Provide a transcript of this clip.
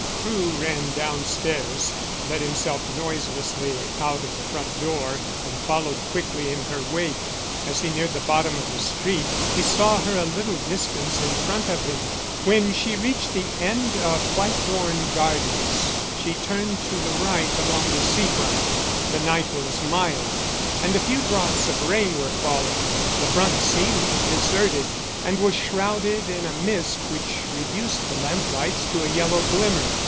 Crewe ran downstairs, let himself noiselessly out of the front door and followed quickly in her wake. As he neared the bottom of the street, he saw her a little distance in front of him. When she reached the end of Whitethorn Gardens she turned to the right along the sea front. The night was mild, and a few drops of rain were falling. The front seemed deserted, and was shrouded in a mist which reduced the lamplights to a yellow glimmer.